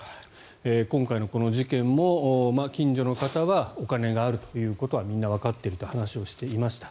今回のこの事件も近所の方はお金があるということはみんな、わかっているという話をしていました。